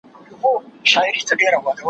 هغه څوک چي جواب ورکوي پوهه زياتوي!